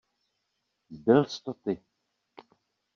Byls to ty!